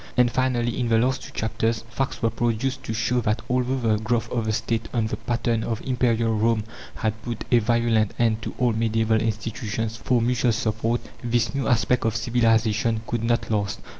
And finally, in the last two chapters facts were produced to show that although the growth of the State on the pattern of Imperial Rome had put a violent end to all medieval institutions for mutual support, this new aspect of civilization could not last.